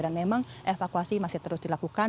dan memang evakuasi masih terus dilakukan